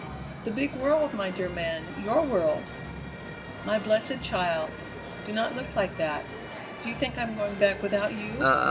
"The big world, my dear man; your world." "My blessed child! Do not look like that. Do you think I'm going back without you?